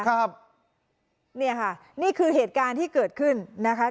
ครับเนี่ยค่ะนี่คือเหตุการณ์ที่เกิดขึ้นนะคะ